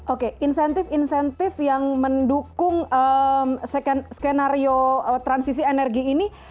oke insentif insentif yang mendukung skenario transisi energi ini